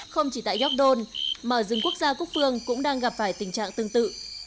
không chỉ tại gióc đôn mà ở rừng quốc gia quốc phương cũng đang gặp phải tình trạng tương tự